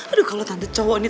aduh kalau tanda cowok nih